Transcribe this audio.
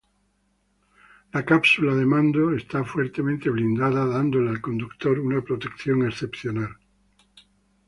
La cápsula de mando está fuertemente blindada, dándole al conductor una protección excepcional.